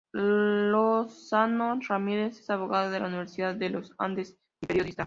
Lozano Ramírez es abogado de la Universidad de los Andes y periodista.